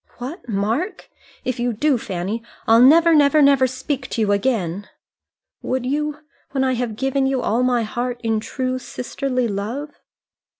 "What, Mark! If you do, Fanny, I'll never, never, never speak to you again. Would you when I have given you all my heart in true sisterly love?"